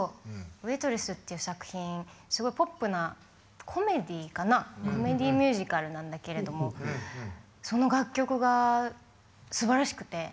「ウェイトレス」っていう作品すごいポップなコメディーかなコメディーミュージカルなんだけれどもその楽曲がすばらしくて。